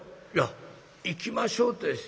「いや行きましょうって」。